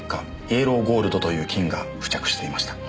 イエローゴールドという金が付着していました。